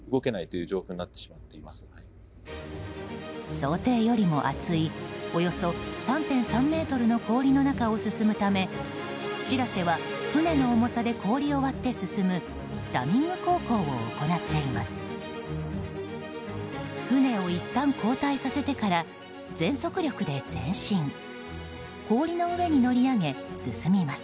想定よりも厚いおよそ３．３ｍの氷の中を進むため「しらせ」は船の重さで氷を割って進むラミング航行を行っています。